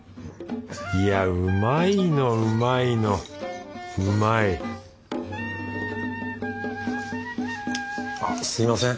いやうまいのうまいのうまいあっすみません。